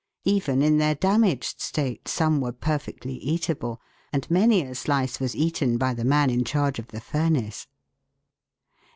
Even in their damaged state some were perfectly eatable, and many a slice was eaten by the man in charge of the furnace.